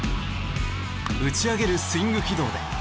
打ち上げるスイング軌道で。